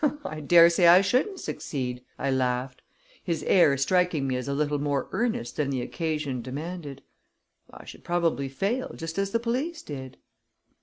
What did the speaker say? "Oh, I dare say I shouldn't succeed," I laughed, his air striking me as a little more earnest than the occasion demanded. "I should probably fail, just as the police did."